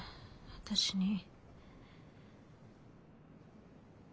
私に。